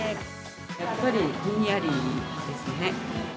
やっぱりひんやりですね。